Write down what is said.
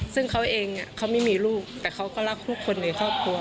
ซึ่งเขาเองเขาไม่มีลูกแต่เขาก็รักลูกคนในครอบครัว